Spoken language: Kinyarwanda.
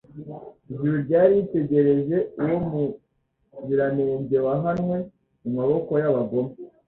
Ijuru ryari ryitegereje uwo Muziranenge wahanwe mu maboko y'abagome,